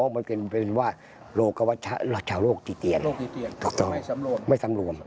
มันเป็นว่าโรคที่เตียนไม่สำรวม